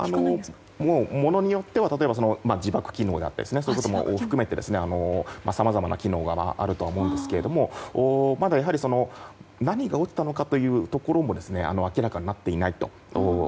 ものによっては自爆機能だとか含めてさまざまな機能があるとは思うんですけどもまだ何が落ちたのかというところも明らかになっていないと。